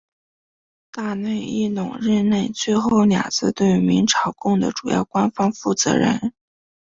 大内义隆任内最后两次对明朝贡的主要官方负责人。